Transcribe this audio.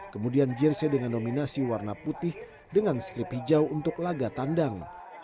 kemudian jersi dengan dominasi warna putih dengan strip hijau untuk lagakandang